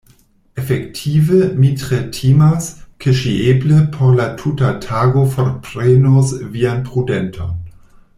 Efektive mi tre timas, ke ŝi eble por la tuta tago forprenos vian prudenton.